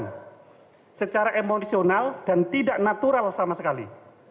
dan tidak secara arugan secara emosional dan tidak natural sama sekali